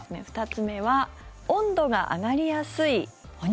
２つ目は温度が上がりやすい○○。